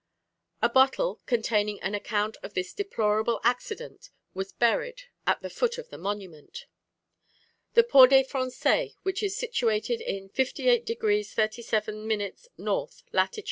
A bottle, containing an account of this deplorable accident, was buried at the foot of the monument. The Port des Français, which is situated in 58 degrees 37 minutes N. lat.